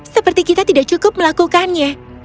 seperti kita tidak cukup melakukannya